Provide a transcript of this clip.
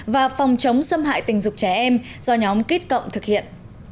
và phòng chống xâm hại tình dục trẻ em do nhóm kit cộng thực hiện